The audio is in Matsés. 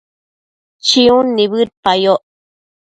chiun nibëdpayoc